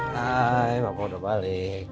hai papa udah balik